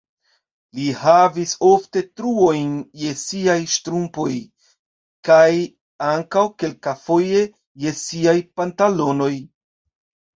Li havis ofte truojn je siaj ŝtrumpoj kaj ankaŭ kelkafoje je siaj pantalonoj.